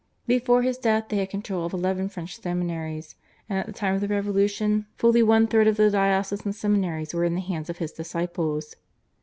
Before his death they had control of eleven French seminaries; and at the time of the Revolution fully one third of the diocesan seminaries were in the hands of his disciples.